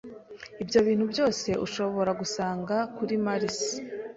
Ibyo bintu byose udashobora gusanga kuri Marisi,